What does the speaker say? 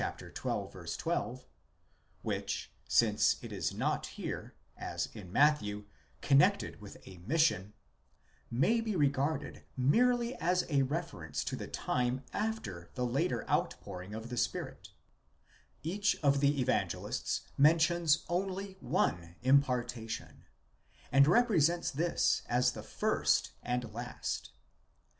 12),— which, since it is not here, as in Matthew, connected with a mission, may be regarded merely as a reference to the time after the later outpouring of the Spirit,—each of the Evangelists mentions only one impartation, and represents this as the first and last.